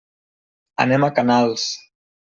Anem a Canals.